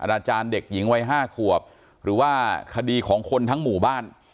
อาจารย์เด็กหญิงวัย๕ขวบหรือว่าคดีของคนทั้งหมู่บ้าน